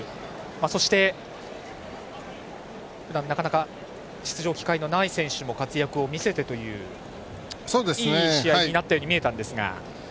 そしてふだん、なかなか出場機会のない選手も活躍を見せてという、いい試合になったように見えたんですが。